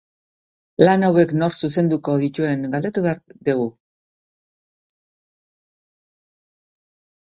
Lan hauek nork zuzenduko dituen galdetu behar dugu.